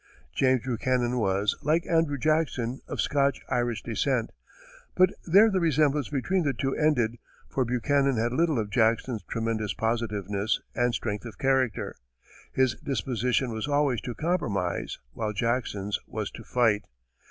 James Buchanan was, like Andrew Jackson, of Scotch Irish descent, but there the resemblance between the two ended, for Buchanan had little of Jackson's tremendous positiveness and strength of character. His disposition was always to compromise, while Jackson's was to fight.